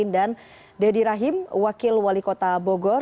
dan deddy rahim wakil wali kota bogor